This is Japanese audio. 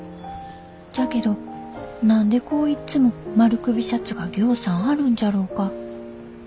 じゃけど何でこういっつも丸首シャツがぎょうさんあるんじゃろうか。